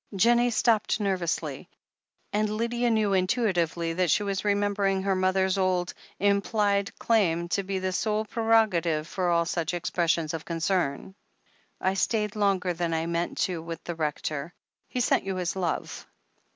..." Jennie stopped nervously, and Lydia knew intuitively that she was remembering her mother's old, implied claim to the sole prerogative for all such expressions of concern. "I stayed longer than I meant to with the Rector. He sent you his love."